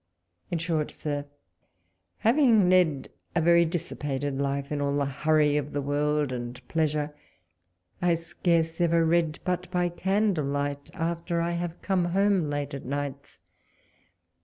In short. Sir, having led a very dissipated life, in all the hurry of the world of pleasure, I scarce ever read but by candleliglit, after I have come home late at nights.